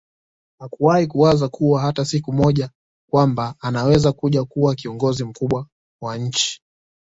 Hakuwai kuwaza kuwa hata siku moja kwamba anaweza kuja kuwa kiongozi mkubwa wa nchi